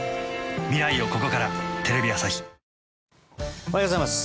おはようございます。